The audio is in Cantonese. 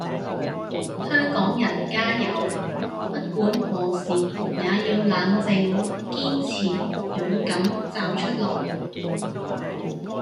香港人加油！不管何時也要冷靜、堅持、勇敢站出來